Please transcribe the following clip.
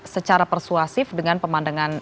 secara persuasif dengan pemandangan